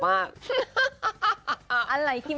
ฮาฮออะไรคิม